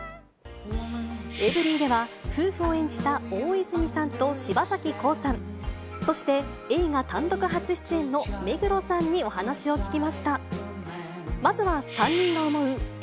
エブリィでは、夫婦を演じた大泉さんと柴咲コウさん、そして映画単独初出演の目黒さんにお話を聞きました。